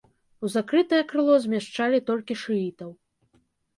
У закрытае крыло змяшчалі толькі шыітаў.